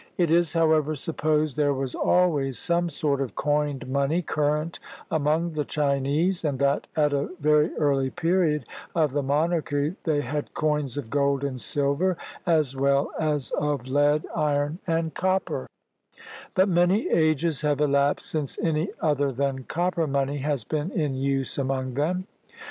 It is, however, supposed there was always some sort of coined money current among the Chinese, and that at a very early period of the monarchy they had coins of gold and silver as well as of lead, iron, and copper; but many ages have elapsed since any other than copper money has been in use among them.